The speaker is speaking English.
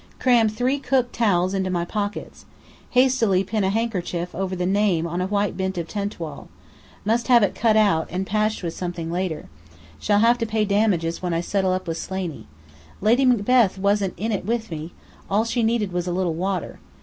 Cram three Cook towels into my pockets. Hastily pin a handkerchief over the name on a white bit of a tent wall. Must have it cut out, and patched with something, later. Shall have to pay damages when I settle up with Slaney. Lady Macbeth wasn't in it with me! All she needed was a little water.